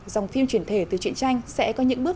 dòng phim chuyển thể từ chuyện tranh sẽ có những bước